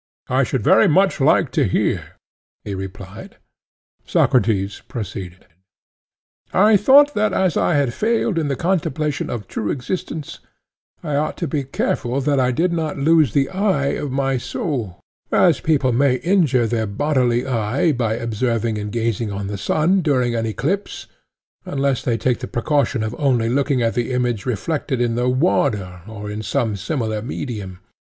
I should very much like to hear, he replied. Socrates proceeded:—I thought that as I had failed in the contemplation of true existence, I ought to be careful that I did not lose the eye of my soul; as people may injure their bodily eye by observing and gazing on the sun during an eclipse, unless they take the precaution of only looking at the image reflected in the water, or in some similar medium.